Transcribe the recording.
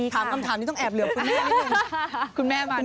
คำถามนี้ต้องแอบเหลือคุณแม่นิดหนึ่ง